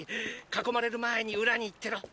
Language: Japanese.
囲まれる前に裏に行ってろ。